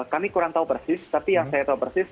kami kurang tahu persis tapi yang saya tahu persis